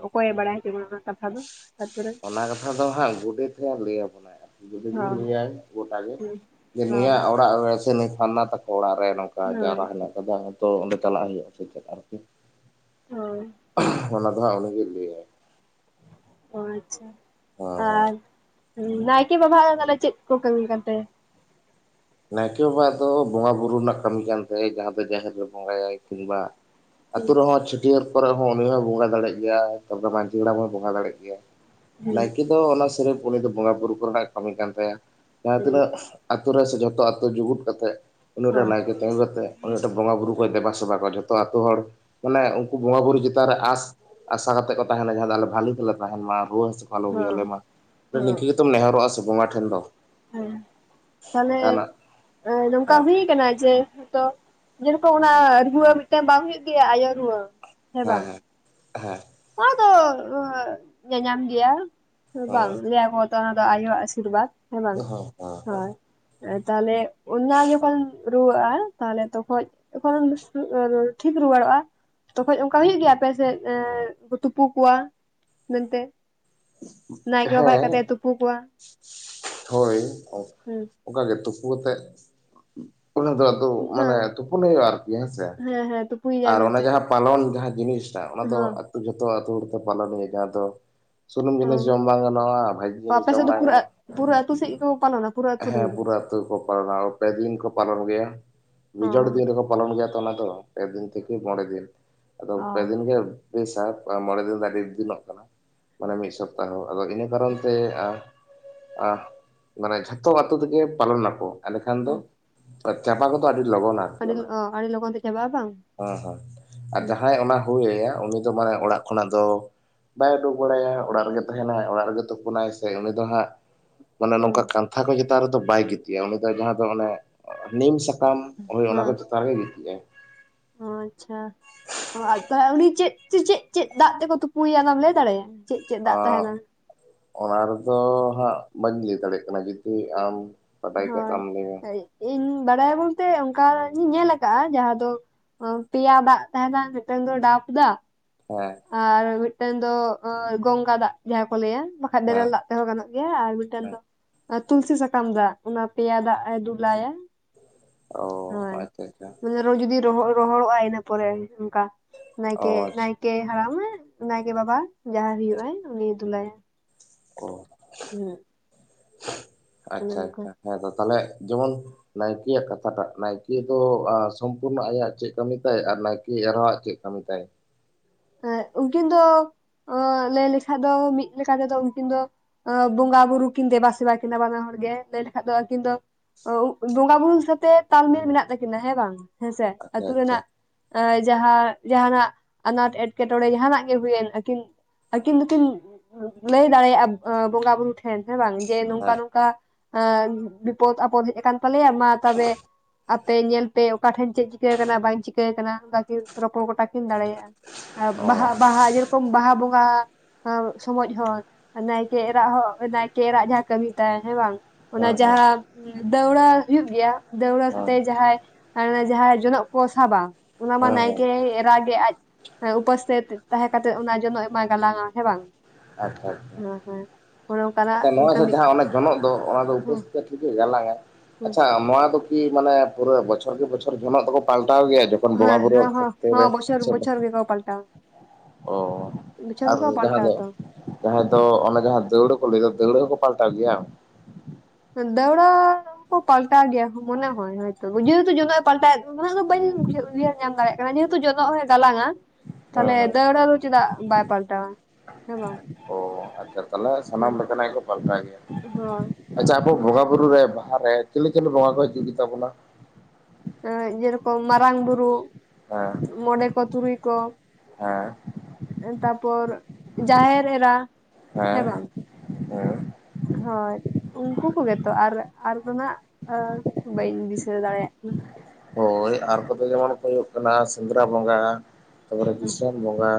ᱚᱠᱚᱭᱮ ᱵᱟᱲᱟᱭ ᱦᱚᱪᱚ ᱵᱚᱱᱟ ᱚᱱᱟ ᱠᱟᱛᱷᱟ ᱫᱚ, ᱟᱹᱛᱩ ᱨᱮ᱾ ᱚᱱᱟ ᱠᱟᱛᱷᱟ ᱫᱚ ᱦᱟᱸᱜ ᱜᱚᱰᱮᱛ ᱮ ᱞᱟᱹᱭ ᱟᱵᱚᱱᱟᱭ ᱦᱟᱸᱜ᱾ ᱜᱩᱰᱤᱛ ᱜᱤ ᱦᱚᱸ ᱞᱟᱹᱭᱟᱭ ᱜᱚᱴᱟᱜ ᱜᱮ ᱦᱩᱸ ᱡᱮ, ᱦᱚᱸ ᱱᱩᱭᱟᱜ ᱚᱲᱟᱜ ᱨᱮ ᱥᱮ, ᱱᱩᱭ ᱯᱷᱟᱱᱟ ᱛᱟᱠᱚ ᱚᱲᱟᱜ ᱨᱮ ᱱᱚᱝᱠᱟ ᱾ ᱦᱚᱸ ᱡᱟᱣᱨᱟ ᱦᱮᱱᱟᱜ ᱠᱟᱫᱟ ᱛᱚ ᱚᱰᱮ ᱪᱟᱞᱟᱣ ᱦᱩᱭᱩᱜ-ᱟ ᱥᱮ ᱪᱮᱫ ᱟᱨᱠᱤ? ᱦᱚᱸ ᱛᱚ ᱚᱱᱟ ᱫᱚᱦᱟᱜ ᱩᱱᱤ ᱜᱤ ᱞᱮᱹᱭᱟᱭ ᱾ ᱚ ᱟᱪᱪᱷᱟ ᱦᱮᱸ ᱦᱮᱸ ᱟᱨ ᱱᱟᱭᱠᱮ ᱵᱟᱵᱟ ᱟᱜ ᱛᱟᱦᱮᱞᱮ ᱪᱮᱫ ᱠᱚ ᱠᱟᱹᱢᱤ ᱠᱟᱱ ᱛᱟᱭᱟ? ᱱᱟᱭᱠᱮ ᱵᱟᱵᱟ ᱟᱜ ᱫᱚ ᱵᱚᱸᱜᱟ ᱵᱩᱨᱩ ᱨᱮᱱᱟᱜ ᱠᱟᱹᱢᱤ ᱠᱟᱱ ᱛᱟᱭᱟ, ᱡᱟᱦᱟᱸ ᱫᱚ ᱡᱟᱦᱮᱨ ᱨᱮ ᱵᱚᱸᱜᱟᱭᱟᱭ ᱠᱤᱱᱵᱟ ᱦᱩᱸ ᱟᱹᱛᱩ ᱨᱮᱦᱚᱸ ᱪᱷᱟᱹᱴᱭᱟᱹᱨ ᱠᱚᱨᱮ ᱦᱚᱸ ᱩᱱᱤ ᱦᱚᱸᱭ ᱵᱚᱸᱜᱟ ᱫᱟᱲᱮᱜ ᱜᱮᱭᱟ᱾ ᱛᱟᱨᱯᱚᱨᱮ ᱢᱟᱹᱡᱷᱤ ᱦᱟᱲᱟᱢ ᱦᱚᱸᱭ ᱵᱚᱸᱜᱟ ᱫᱟᱲᱮᱜ ᱜᱮᱭᱟ᱾ ᱦᱩᱸ ᱱᱟᱭᱠᱮ ᱫᱚ ᱚᱱᱟ ᱥᱨᱮᱯ ᱩᱱᱤ ᱫᱚ ᱵᱚᱸᱜᱟᱼᱵᱩᱨᱩ ᱠᱚ ᱨᱮᱱᱟᱜ ᱠᱟᱹᱢᱤ ᱠᱟᱱ ᱛᱟᱭᱟ᱾ ᱡᱟᱦᱟᱸ ᱦᱩᱸ ᱛᱤᱱᱟᱹᱜ ᱟᱛᱳ ᱨᱮ ᱥᱮ ᱡᱷᱚᱛᱚ ᱟᱛᱳ ᱡᱩᱜᱩᱫ ᱠᱟᱛᱮᱜ ᱩᱱᱤ ᱴᱟᱱ ᱦᱚᱸ ᱱᱟᱭᱠᱮ [unintelligible] ᱩᱱᱤ ᱟᱴᱮᱜ ᱵᱚᱸᱜᱟ ᱵᱩᱨᱩ ᱠᱚᱭ ᱫᱮᱵᱟ ᱥᱮᱵᱟ ᱠᱚᱣᱟ ᱡᱚᱛᱚ ᱟᱛᱳ ᱦᱚᱲ ᱢᱟᱱᱮ ᱩᱱᱠᱩ ᱵᱚᱸᱜᱟ ᱵᱩᱨᱩ ᱪᱮᱛᱟᱱ ᱨᱮ ᱟᱸᱥ ᱟᱥᱟ ᱠᱟᱛᱮᱜ ᱠᱚ ᱛᱟᱦᱮᱱᱟ, ᱡᱟᱦᱟᱸ ᱫᱚ ᱟᱞᱮ ᱵᱷᱟᱹᱞᱤ ᱛᱮᱞᱮ ᱛᱟᱦᱮᱱ ᱢᱟ ᱨᱩᱣᱟᱹ ᱦᱟᱹᱥᱩ ᱟᱞᱚ ᱦᱩᱭ ᱟᱞᱮ ᱦᱚᱸ ᱢᱟ᱾ ᱦᱚᱸ ᱱᱤᱝᱠᱟᱹ ᱜᱮᱛᱚᱢ ᱱᱮᱦᱚᱨᱚᱜᱼᱟ ᱥᱮ ᱵᱚᱸᱜᱟ ᱴᱷᱮᱱ ᱫᱚ᱾ ᱦᱮᱸ᱾ ᱛᱟᱦᱞᱮ ᱡᱟᱦᱟᱱᱟᱜ ᱱᱚᱝᱠᱟ ᱦᱮᱸ ᱦᱩᱭ ᱟᱠᱟᱱᱟ ᱡᱮ, ᱛᱚ ᱡᱮᱨᱚᱠᱚ‌ ᱚᱱᱟ ᱨᱩᱣᱟᱹ ᱢᱤᱫᱴᱟᱝ ᱵᱟᱝ ᱦᱳᱭᱳᱜ ᱜᱮᱭᱟ ᱟᱭᱳ ᱨᱩᱣᱟᱹ᱾ ᱦᱮᱸ ᱦᱮᱸ ᱦᱮᱸ᱾ ᱚᱱᱟ ᱫᱚ ᱧᱟᱧᱟᱢ ᱜᱮᱭᱟ ᱦᱮᱸ ᱵᱟᱝ ᱞᱮᱭᱟᱠᱚ ᱛᱚ ᱚᱱᱟ ᱫᱚ ᱟᱭᱳᱣᱟᱜ ᱟᱥᱤᱨᱵᱟᱫᱽ ᱦᱮᱸ ᱵᱟᱝ ᱦᱳᱭ᱾ ᱛᱟᱦᱮᱞᱮ ᱚᱱᱟ ᱡᱚᱠᱷᱚᱱ ᱨᱩᱣᱟᱹᱜᱼᱟ ᱛᱟᱦᱮᱞᱮ ᱛᱚᱠᱷᱚᱡ ᱛᱚᱠᱷᱚᱱ [unintelligible] ᱴᱷᱤᱠ ᱨᱩᱣᱟᱹᱲᱚᱜᱼᱟ ᱛᱚᱠᱷᱚᱱ ᱚᱱᱠᱟ ᱦᱩᱭᱩᱜ ᱜᱮᱭᱟ ᱟᱯᱮ ᱥᱮᱫ ᱮᱫ ᱩᱱᱠᱩ ᱛᱩᱯᱩ ᱠᱚᱣᱟ ᱢᱮᱱᱛᱮ᱾ ᱱᱟᱭᱠᱮ ᱦᱮᱸ ᱵᱟᱵᱟ ᱦᱮᱡ ᱦᱮᱸ ᱠᱟᱛᱮ ᱮ ᱛᱩᱯᱩ ᱠᱚᱣᱟ ᱦᱩᱸ᱾ ᱩᱱᱠᱟᱜᱮ ᱛᱩᱯᱩ ᱠᱟᱛᱮᱜ ᱚᱱᱟ ᱫᱟᱜ ᱫᱚ ᱢᱟᱱᱮ ᱦᱮᱸ ᱛᱩᱯᱩᱱ ᱦᱩᱭᱩᱜᱼᱟ ᱟᱨᱠᱤ ᱦᱮᱸ ᱥᱮ ᱾ ᱦᱮᱸ ᱦᱮᱸ ᱛᱩᱯᱩᱭ ᱟᱨ ᱚᱱᱟ ᱡᱟᱦᱟᱸ ᱯᱟᱞᱚᱱ ᱡᱟᱦᱟᱸ ᱡᱤᱱᱤᱥ ᱴᱟᱜ ᱚᱱᱟ ᱫᱚ ᱦᱚᱸ ᱟᱛᱩ ᱡᱷᱚᱛᱚ ᱟᱛᱩ ᱦᱚᱲᱛᱮ ᱯᱟᱞᱚᱱ ᱦᱩᱭᱩᱜᱼᱟ ᱡᱟᱦᱟᱸ ᱫᱚ ᱥᱩᱱᱩᱢ ᱚ ᱡᱤᱱᱤᱥ ᱡᱚᱢ ᱵᱟᱝ ᱜᱟᱱᱚᱜᱼᱟ᱾ ᱵᱷᱟᱜᱤ ᱡᱤᱱᱤᱥ ᱟᱯᱮ ᱡᱚᱢ ᱥᱮᱫ ᱫᱚ ᱵᱟᱭ ᱯᱩᱨᱟᱹ ᱜᱟᱱᱚᱜᱼᱟ᱾ ᱯᱩᱨᱟᱹ ᱟᱹᱛᱩ ᱥᱮᱫ ᱜᱮᱠᱚ ᱯᱟᱞᱚᱱᱟ ᱯᱩᱨᱟᱹ ᱟᱹᱛᱩ ᱨᱮᱱ ᱦᱮᱸ ᱜᱮ ᱯᱩᱨᱟᱹ ᱛᱩ ᱠᱚ ᱯᱟᱨᱟᱣ ᱯᱮ ᱫᱤᱱ ᱠᱚ ᱯᱟᱞᱚᱱ ᱜᱮᱭᱟ, ᱚ ᱵᱤᱡᱚᱲ ᱫᱤᱱ ᱨᱮᱠᱚ ᱯᱟᱞᱚᱱ ᱜᱮᱭᱟ ᱛᱚ ᱚᱱᱟ ᱫᱚ ᱾ ᱯᱮ ᱫᱤᱱ ᱛᱷᱮᱠᱮ ᱢᱚᱬᱮ ᱫᱤᱱ, ᱟᱫᱚ ᱚ ᱯᱮ ᱫᱤᱱ ᱜᱮ ᱵᱮᱥ ᱥᱟᱵ ᱢᱚᱬᱮ ᱫᱤᱱ ᱫᱚ ᱟᱹᱰᱤ ᱫᱤᱱᱚᱜ ᱠᱟᱱᱟ ᱢᱟᱱᱮ ᱢᱤᱫ ᱥᱚᱯᱛᱟᱦᱚ ᱟᱫᱚ ᱤᱱᱟᱹ ᱠᱟᱨᱚᱱ ᱛᱮ ᱟᱜ ᱢᱟᱱᱮ ᱡᱷᱚᱛᱚ ᱟᱛᱳ ᱛᱮᱜᱮ ᱯᱟᱞᱚᱱ ᱱᱟᱠᱚ ᱮᱸᱰᱮ ᱠᱷᱟᱱ ᱫᱚ ᱪᱟᱵᱟ ᱠᱚᱛᱚ ᱟᱹᱰᱤ ᱞᱚᱜᱚᱱ ᱟ᱾ ᱟᱹᱰᱤ ᱚ ᱟᱹᱰᱤ ᱞᱚᱜᱚᱱ ᱛᱮ ᱪᱟᱵᱟᱜᱼᱟ ᱵᱟᱝ? ᱦᱚᱸ ᱦᱚᱸ ᱟᱨ ᱦᱮᱸ ᱡᱟᱦᱟᱸᱭ ᱚᱱᱟ ᱦᱩᱭ ᱟᱭᱟ ᱩᱱᱤ ᱫᱚ ᱢᱟᱱᱮ ᱚᱲᱟᱜ ᱠᱷᱚᱱᱟᱜ ᱫᱚ ᱵᱟᱭ ᱩᱰᱩᱠ ᱵᱟᱲᱟᱭᱟ ᱚᱲᱟᱜ ᱨᱮᱜᱮ ᱛᱟᱦᱮᱸᱱᱟᱭ ᱚᱲᱟᱜ ᱨᱮᱜᱮ ᱛᱩᱯᱩᱱᱟᱭ ᱥᱮ ᱩᱱᱤ ᱫᱚ ᱦᱟᱸᱜ ᱢᱟᱱᱮ ᱱᱚᱝᱠᱟ ᱠᱟᱱᱛᱷᱟ ᱠᱚ ᱪᱮᱛᱟᱱ ᱨᱮᱫᱚ ᱵᱟᱭ ᱜᱤᱛᱤᱡ ᱟᱭ ᱩᱱᱤ ᱫᱚ ᱡᱟᱦᱟᱸ ᱫᱚ ᱚᱱᱮ ᱱᱤᱢ ᱥᱟ ᱠᱟᱢ ᱩᱱᱤ ᱚᱱᱟ ᱠᱚ ᱪᱮᱛᱟᱱ ᱨᱮᱜᱮ ᱜᱤᱛᱤᱡᱼᱟᱭ᱾ ᱚ ᱟᱪᱪᱷᱟ ᱚ ᱛᱟᱦᱞᱮ ᱩᱱᱤ ᱪᱮᱫ ᱪᱮᱫ ᱪᱮᱫ ᱪᱮᱫ ᱫᱟᱜ ᱛᱮᱠᱚ ᱛᱩᱯᱩᱭᱟ ᱚᱱᱟᱢ ᱞᱟᱹᱭ ᱫᱟᱲᱮᱭᱟᱜᱼᱟ? ᱪᱮᱫ ᱪᱮᱫ ᱫᱟᱜ ᱟᱜ ᱛᱟᱦᱮᱱᱟ ᱚᱱᱟ ᱨᱮᱫᱚ ᱦᱟᱸᱜ ᱵᱟᱹᱧ ᱞᱟᱹᱭ ᱫᱟᱲᱮᱭᱟᱜ ᱠᱟᱱᱟ ᱡᱩᱫᱤ ᱟᱢ ᱵᱟᱰᱟᱭ ᱠᱷᱟᱡ ᱫᱚ ᱦᱳᱭ ᱟᱢ ᱞᱟᱹᱭ ᱢᱮ ᱤᱧ ᱵᱟᱲᱟᱭᱟ ᱵᱚᱞᱛᱮ ᱚᱱᱠᱟᱧ ᱧᱮᱞ ᱠᱟᱜᱼᱟ ᱡᱟᱦᱟᱸ ᱫᱚ ᱯᱤᱭᱟ ᱫᱟᱜ ᱛᱟᱦᱮᱸᱱᱟ ᱢᱤᱫᱴᱟᱝ ᱫᱚ ᱴᱟᱯ ᱫᱟᱜ ᱦᱮᱸ᱾ ᱟᱨ ᱢᱤᱫᱴᱮᱱ ᱫᱚ ᱜᱚᱝᱜᱟ ᱫᱟᱜ ᱡᱟᱦᱟᱸ ᱠᱚ ᱞᱟᱹᱭᱟ ᱵᱟᱠᱷᱟᱡ ᱦᱮᱸ ᱵᱮᱨᱮᱞ ᱫᱟᱜ ᱛᱮᱦᱚᱸ ᱜᱟᱱᱚᱜ ᱜᱮᱭᱟ ᱟᱨ ᱢᱤᱫᱴᱮᱱ ᱦᱮᱸ ᱫᱚ ᱛᱩᱞᱥᱤ ᱥᱟᱠᱟᱢ ᱫᱟᱜ ᱚᱱᱟ ᱯᱮᱭᱟ ᱫᱟᱜ ᱫᱩᱞᱟᱭᱟ ᱚ ᱦᱳᱭ ᱟᱪᱪᱷᱟ ᱟᱪᱪᱷᱟ ᱮᱱᱨᱮᱦᱚᱸ ᱡᱩᱫᱤ ᱨᱚᱦᱚᱲᱚᱜ ᱟᱭ ᱤᱱᱟᱹ ᱯᱚᱨᱮ ᱚᱝᱠᱟ ᱱᱟᱭᱠᱮ ᱚ ᱱᱟᱭᱠᱮ ᱦᱟᱲᱟᱢ ᱮ ᱱᱟᱭᱠᱮ ᱵᱟᱵᱟ ᱡᱟᱦᱟᱸᱭ ᱦᱳᱭᱳᱜ ᱟᱭ ᱩᱱᱤ ᱫᱩᱞᱟᱭᱟᱭ᱾ ᱚ᱾ ᱦᱩᱸ᱾ ᱚᱱᱮ ᱟᱪᱪᱷᱟ ᱚᱱᱠᱟ ᱟᱪᱪᱷᱟ ᱦᱮᱸ ᱛᱚ ᱛᱟᱦᱚᱞᱮ ᱡᱮᱢᱚᱱ ᱱᱟᱭᱠᱮᱭ ᱟᱜ ᱠᱟᱛᱷᱟ ᱴᱟᱜ ᱱᱟᱭᱠᱮ ᱫᱚ ᱥᱚᱢᱯᱩᱨᱱᱚ ᱟᱭᱟᱜ ᱪᱮᱫ ᱠᱟᱹᱢᱤ ᱛᱟᱭᱟᱭ ᱟᱨ ᱱᱟᱭᱠᱮ ᱮᱨᱟᱣᱟᱜ ᱪᱮᱫ ᱠᱟᱹᱢᱤ ᱛᱟᱭ? ᱮᱸᱜ ᱩᱱᱠᱤᱱ ᱫᱚ ᱞᱟᱹᱭ ᱞᱮᱠᱷᱟᱡ ᱫᱚ ᱢᱤᱫ ᱞᱮᱠᱟ ᱛᱮᱫᱚ ᱩᱱᱠᱤᱱ ᱫᱚ ᱟᱹ ᱵᱚᱸᱜᱟ ᱵᱩᱨᱩ ᱠᱤᱱ ᱫᱮᱵᱟ ᱥᱮᱵᱟ ᱠᱤᱱ ᱵᱟᱱᱟ ᱦᱚᱲ ᱜᱮ ᱞᱟᱹᱭ ᱞᱮᱠᱷᱟᱡ ᱫᱚ ᱟᱹᱠᱤᱱ ᱫᱚ ᱳᱵ ᱵᱚᱸᱜᱟ ᱵᱩᱨᱩ ᱦᱤᱥᱟᱹᱵ‌ ᱛᱮ ᱛᱟᱞᱢᱮᱞ ᱢᱮᱱᱟᱜ ᱛᱟᱹᱠᱤᱱᱟ ᱦᱮᱸ ᱵᱟᱝ? ᱦᱮᱸ ᱥᱮ ᱟᱪᱪᱷᱟ ᱟᱹᱛᱩ ᱟᱪᱪᱷᱟ ᱨᱮᱱᱟᱜ ᱮᱸ ᱡᱟᱦᱟᱸ ᱡᱟᱦᱟᱸᱱᱟᱜ ᱮᱴᱠᱮᱴᱚᱬᱮ ᱡᱟᱦᱟᱸᱱᱟᱜ ᱜᱮ ᱦᱩᱭᱮᱱ ᱟᱹᱠᱤᱱ ᱟᱹᱠᱤᱱ ᱫᱚᱠᱤᱱ ᱞᱟᱹᱭ ᱫᱟᱲᱮᱭᱟᱜᱼᱟ ᱮᱸ ᱵᱚᱸᱜᱟ ᱵᱩᱨᱩ ᱴᱷᱮᱱ ᱦᱮᱸ ᱵᱟᱝ ᱡᱮ ᱱᱚᱝᱠᱟ ᱦᱮᱸ ᱱᱚᱝᱠᱟ ᱵᱤᱯᱚᱫ ᱟᱯᱚᱫ ᱦᱮᱡ ᱠᱟᱱ ᱛᱟᱞᱮᱭᱟ ᱢᱟ ᱛᱚᱵᱮ ᱟᱯᱮ ᱧᱮᱞ ᱯᱮ ᱚᱠᱟ ᱴᱷᱮᱱ ᱪᱮᱫ ᱪᱤᱠᱟᱹ ᱠᱟᱱᱟ ᱵᱟᱹᱧ ᱪᱤᱠᱟᱹ ᱠᱟᱱᱟ ᱚᱱᱠᱟᱠᱤᱱ ᱨᱚᱯᱚᱲ ᱜᱚᱴᱟ ᱠᱤᱱ ᱫᱟᱲᱮᱭᱟᱜᱼᱟ᱾ ᱚ ᱵᱟᱦᱟ ᱵᱟᱦᱟ ᱡᱮ ᱨᱚᱠᱚᱢ ᱵᱟᱦᱟ ᱵᱚᱸᱜᱟ ᱥᱚᱢᱚᱡ ᱦᱚᱸ ᱱᱟᱭᱠᱮ ᱮᱨᱟᱜ ᱦᱚᱸ ᱱᱟᱭᱠᱮ ᱮᱨᱟᱜ ᱡᱟᱦᱟᱸ ᱠᱟᱹᱢᱤ ᱛᱟᱭ ᱦᱮᱸ ᱵᱟᱝ ᱚᱱᱟ ᱦᱮᱸ ᱦᱮᱸ ᱡᱟᱦᱟᱸ ᱫᱟᱹᱣᱲᱟ ᱦᱩᱭᱩᱜ ᱜᱮᱭᱟ ᱫᱟᱹᱣᱲᱟ ᱦᱮᱸ ᱥᱟᱛᱮᱜ ᱡᱟᱦᱟᱸᱭ ᱡᱟᱦᱟᱸ ᱡᱚᱱᱚᱜ ᱠᱚ ᱥᱟᱵᱟ ᱚᱱᱟ ᱢᱟ ᱦᱮᱸ ᱦᱮᱸ ᱱᱟᱭᱠᱮ ᱮᱨᱟ ᱜᱮ ᱟᱡ ᱦᱮᱸ ᱩᱯᱚᱥ ᱛᱮ ᱛᱟᱦᱮᱸ ᱠᱟᱛᱮᱜ ᱚᱱᱟ ᱡᱚᱱᱚᱜ ᱮ ᱢᱟᱭ ᱜᱟᱞᱟᱝᱼᱟ ᱦᱮᱸ ᱵᱟᱝ? ᱟᱪᱪᱷᱟ ᱟᱪᱪᱷᱟ᱾ ᱦᱮᱸ ᱦᱮᱸ ᱚᱱᱮ ᱚᱱᱠᱟᱱᱟᱜ ᱟᱪᱪᱷᱟ ᱱᱚᱣᱟ ᱠᱟᱹᱢᱤ ᱡᱟᱦᱟᱸ ᱚᱱᱟ ᱡᱚᱱᱚᱜ ᱫᱚ ᱚᱱᱟ ᱫᱚ ᱩᱯᱟᱹᱥ ᱦᱮᱸ ᱠᱟᱛᱮ ᱜᱮ ᱜᱟᱞᱟᱝᱼᱟᱭ᱾ ᱦᱮᱸ ᱟᱪᱪᱷᱟ ᱱᱚᱣᱟ ᱫᱚ ᱠᱤ ᱢᱟᱱᱮ ᱯᱩᱨᱟᱹ ᱵᱚᱪᱷᱚᱨ ᱜᱮ ᱵᱚᱪᱷᱚᱨ ᱡᱚᱱᱚᱜ ᱫᱚᱠᱚ ᱯᱟᱞᱴᱟᱣ ᱜᱮᱭᱟ? ᱵᱚᱸᱜᱟ ᱦᱮᱸ ᱦᱮᱸ ᱵᱩᱨᱩᱣᱟᱜ ᱦᱮᱸ ᱛᱤᱨᱮ ᱵᱚᱪᱷᱚᱨ ᱵᱚᱪᱷᱚᱨ ᱜᱮᱠᱚ ᱯᱟᱞᱴᱟᱣᱟ [unintelligible] ᱚ ᱵᱚᱪᱷᱚᱨ ᱟᱨ ᱜᱮᱠᱚ ᱡᱟᱦᱟᱸ ᱯᱟᱞᱴᱟᱣᱟ ᱫᱚ ᱛᱚ ᱡᱟᱦᱟᱸᱭ ᱫᱚ ᱚᱱᱮ ᱡᱟᱦᱟᱸ ᱫᱟᱹᱣᱲᱟᱹ ᱠᱚ ᱞᱟᱹᱭ ᱫᱚ ᱫᱟᱹᱣᱲᱟᱹ ᱦᱚᱸᱠᱚ ᱯᱟᱞᱴᱟᱣ ᱜᱮᱭᱟ ᱦᱟᱝ? ᱫᱟᱹᱣᱲᱟ ᱠᱚ ᱯᱟᱞᱴᱟᱣ ᱜᱮᱭᱟ ᱢᱚᱱᱮ ᱦᱳᱭ ᱦᱳᱭ ᱛᱳ ᱡᱮᱦᱩᱛᱩ ᱡᱚᱱᱚᱜ ᱯᱟᱞᱴᱟ [unintelligible] [unintelligible] ᱚᱱᱟ ᱫᱚ ᱵᱟᱹᱧ [unintelligible] ᱩᱭᱦᱟᱹᱨ ᱧᱟᱢ ᱫᱟᱲᱮᱭᱟᱜ ᱠᱟᱱᱟ ᱡᱮᱦᱮᱛᱩ ᱡᱚᱱᱚᱜ ᱦᱚᱸᱭ ᱜᱟᱞᱟᱝᱼᱟ, ᱦᱮᱸ ᱛᱟᱦᱚᱞᱮ ᱦᱮᱸ ᱫᱟᱹᱣᱲᱟᱹ ᱫᱚ ᱪᱮᱫᱟᱜ ᱵᱟᱭ ᱯᱟᱞᱴᱟᱣᱟ? ᱦᱮᱸ ᱵᱟᱝ, ᱚ ᱟᱪᱪᱷᱟ ᱛᱟᱦᱞᱮ ᱥᱟᱱᱟᱢ ᱦᱮᱸ ᱞᱮᱠᱟᱱᱟᱜ ᱜᱮ ᱠᱚ ᱯᱟᱞᱴᱟᱣ ᱜᱮᱭᱟ, ᱦᱳᱭ ᱟᱪᱪᱷᱟ ᱟᱵᱚ ᱵᱚᱸᱜᱟᱵᱩᱨᱩ ᱨᱮ ᱵᱟᱦᱟ ᱨᱮ ᱪᱤᱞᱤ ᱪᱤᱞᱤ ᱵᱚᱸᱜᱟ ᱠᱚ ᱦᱤᱡᱩᱜ ᱜᱮ ᱛᱟᱵᱚᱱᱟ? ᱮᱸ, ᱡᱮᱨᱚᱠᱚᱢ ᱢᱟᱨᱟᱝᱵᱩᱨᱩ, ᱦᱮᱸ ᱢᱚᱬᱮ ᱠᱚ, ᱛᱩᱨᱩᱭ ᱠᱚ, ᱦᱮᱸ, ᱛᱟᱯᱚᱨ ᱡᱟᱦᱮᱨ ᱮᱨᱟ, ᱦᱮᱸ ᱵᱟᱝ, ᱦᱮᱸ ᱦᱳᱭ, ᱩᱱᱠᱩ ᱠᱚᱜᱮᱛᱚ ᱟᱨ ᱟᱨ ᱫᱚ ᱱᱟᱜ ᱟᱨ ᱵᱟᱹᱧ ᱫᱤᱥᱟᱹ ᱫᱟᱲᱮᱭᱟᱜ ᱠᱟᱱᱟ ᱦᱳᱭ ᱟᱨ ᱠᱚᱫᱚ ᱡᱮᱢᱚᱱ ᱠᱚ ᱦᱩᱭᱩᱜ ᱠᱟᱱᱟ ᱥᱮᱸᱫᱽᱨᱟ ᱵᱚᱸᱜᱟ, ᱛᱟᱯᱚᱨᱮ ᱫᱤᱥᱚᱱ ᱵᱚᱸᱜᱟ